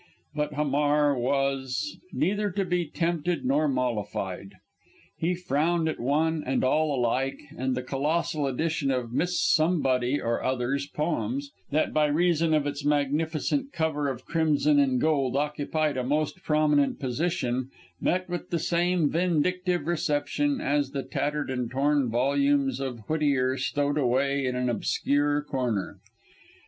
But Hamar was neither to be tempted nor mollified. He frowned at one and all alike, and the colossal edition of Miss Somebody or Other's poems that by reason of its magnificent cover of crimson and gold occupied a most prominent position met with the same vindictive reception as the tattered and torn volumes of Whittier stowed away in an obscure corner.